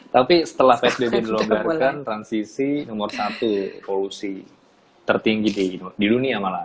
tapi setelah psbb dilonggarkan transisi nomor satu polusi tertinggi di dunia malah